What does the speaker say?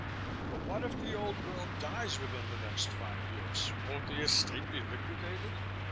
"But what if the old girl dies within the next five years? Won't the estate be liquidated?